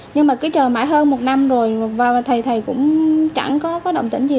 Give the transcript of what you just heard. nhưng mà cứ chờ mãi hơn một năm rồi và thầy cũng chẳng có động tỉnh gì